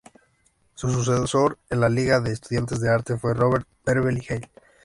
Su sucesor en la Liga de Estudiantes de Arte fue Robert Beverly Hale.